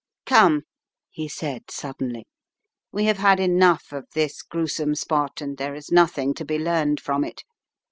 "Come," he said suddenly, "We have had enough of this gruesome spot, and there is nothing to be learned from it.